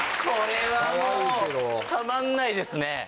これはもうたまんないですね。